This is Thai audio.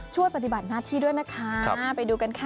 ช่วยปฏิบัติหน้าที่ด้วยนะคะไปดูกันค่ะ